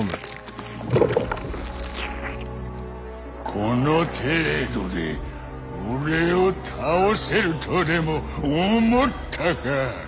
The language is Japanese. この程度で俺を倒せるとでも思ったか！